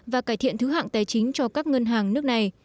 và cải thiện thứ hạng tài chính cho các ngân hàng nước này